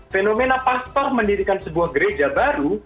fenomena pastor mendirikan sebuah gereja baru